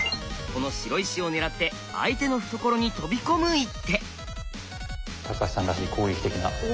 この白石を狙って相手の懐に飛び込む一手。